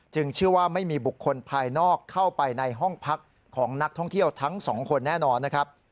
เชื่อว่าไม่มีบุคคลภายนอกเข้าไปในห้องพักของนักท่องเที่ยวทั้งสองคนแน่นอนนะครับ